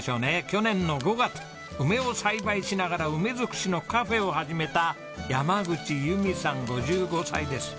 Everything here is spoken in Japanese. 去年の５月梅を栽培しながら梅づくしのカフェを始めた山口由美さん５５歳です。